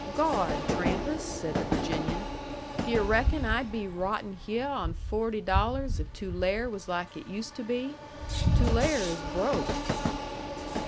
"Gawd, Trampas!" said the Virginian, "d' yu' reckon I'd be rotting hyeh on forty dollars if Tulare was like it used to be? Tulare is broke."